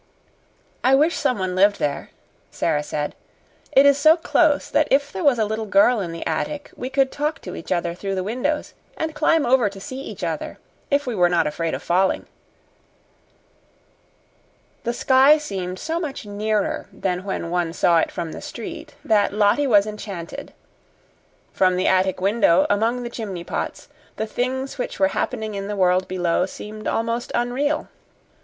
"I wish someone lived there," Sara said. "It is so close that if there was a little girl in the attic, we could talk to each other through the windows and climb over to see each other, if we were not afraid of falling." The sky seemed so much nearer than when one saw it from the street, that Lottie was enchanted. From the attic window, among the chimney pots, the things which were happening in the world below seemed almost unreal.